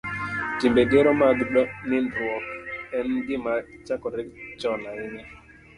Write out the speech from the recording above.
Timbe gero mag nindruok en gima chakore chon ahinya